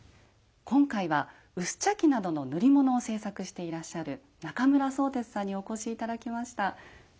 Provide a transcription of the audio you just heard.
今回は薄茶器などの塗り物を制作していらっしゃる中村宗哲さんにお越し頂きました。